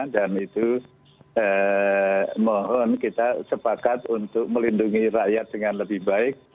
dan itu mohon kita sepakat untuk melindungi rakyat dengan lebih baik